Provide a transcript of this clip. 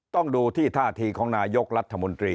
ต้องดูที่ท่าทีของนายกรัฐมนตรี